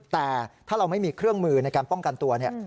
แต่ถ้าเราไม่มีเครื่องมือในการป้องกันตัวเนี่ย